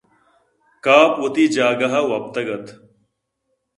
کاف وتی جاگہ ءَ وپتگ اَت